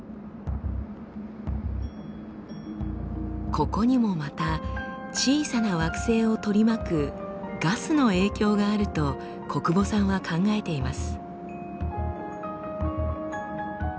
ここにもまた小さな惑星を取り巻くガスの影響があると小久保さんは考えています。